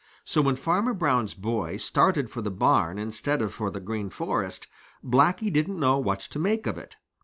So, when Farmer Brown's boy started for the barn instead of for the Green Forest, Blacky didn't know what to make of it.